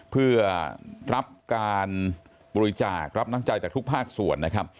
เพื่อรับการบริจาครับน้ำใจจากทุกภาคส่วนนะครับ